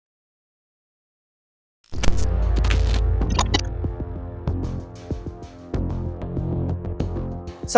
การดต่อชื่อ